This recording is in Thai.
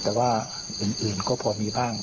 แต่ว่าอื่นก็พอมีบ้าง